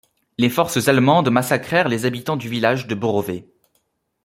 Les forces allemandes massacrèrent les habitants du village de Borové.